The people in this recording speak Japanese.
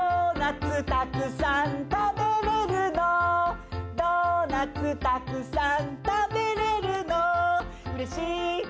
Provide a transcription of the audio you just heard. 「私ドーナツたくさん食べれるの」「ドーナツたくさん食べれるの」